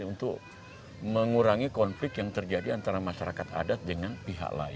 untuk mengurangi konflik yang terjadi antara masyarakat adat dengan pihak lain